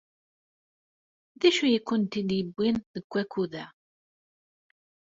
D acu ay kent-id-yewwin deg wakud-a?